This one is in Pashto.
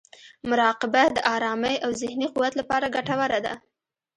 مراقبه د ارامۍ او ذهني قوت لپاره ګټوره ده.